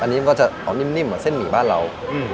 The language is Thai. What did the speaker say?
อันนี้มันก็จะเอานิ่มเหมือนเส้นหมี่บ้านเรา